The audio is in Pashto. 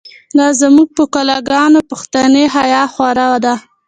لا زمونږ په کلا گانو، پښتنی حیا خوره ده